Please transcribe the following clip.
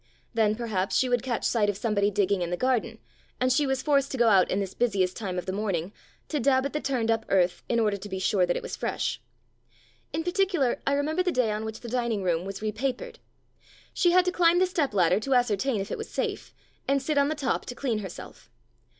Then perhaps she would catch sight of somebody digging in the garden, and she was forced to go out in this busiest time of the morning, to dab at the turned up earth, in order to be sure that it was fresh. In particular, I remember the day on which the dining room was repapered. She had to climb the step ladder to ascertain if it was safe, and sit on the top to clean herself.